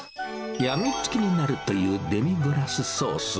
病みつきになるというデミグラスソース。